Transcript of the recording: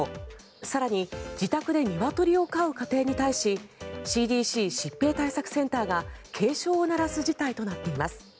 更に自宅でニワトリを飼う家庭に対しＣＤＣ・疾病対策センターが警鐘を鳴らす事態となっています。